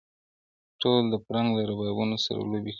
ټول د فرنګ له ربابونو سره لوبي کوي-